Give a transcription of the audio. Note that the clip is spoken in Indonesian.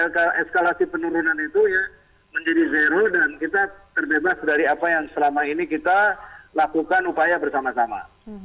eskalasi penurunan itu ya menjadi zero dan kita terbebas dari apa yang selama ini kita lakukan upaya bersama sama